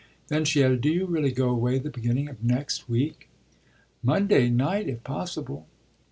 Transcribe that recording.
Then she added: "Do you really go away the beginning of next week?" "Monday night if possible."